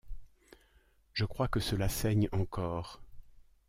Je crois que cela saigne encore.